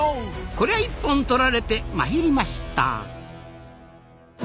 こりゃ一本とられてマヒリました。